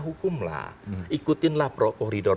hukum lah ikutinlah prokoridor